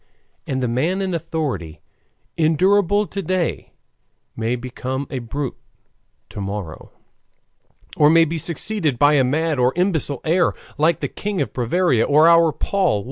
And the man in authority, endurable to day, may become a brute to morrow, or may be succeeded by a mad or imbecile heir, like the King of Bavaria or our Paul I.